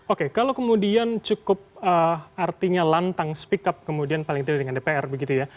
oke kalau kemudian cukup artinya lantang speak up kemudian paling tidak dengan dpr begitu ya